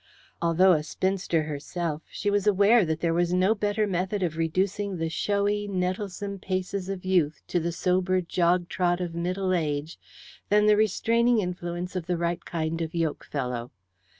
Although a spinster herself, she was aware that there was no better method of reducing the showy nettlesome paces of youth to the sober jog trot of middle age than the restraining influence of the right kind of yokefellow.